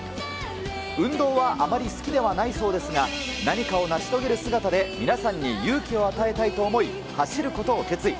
運動はあまり好きではないそうですが、何かを成し遂げる姿で皆さんに勇気を与えたいと思い、走ることを決意。